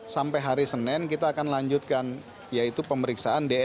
sampai hari senin kita akan lanjutkan yaitu pemeriksaan dna